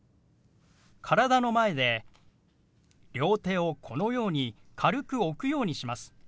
体の前で両手をこのように軽く置くようにします。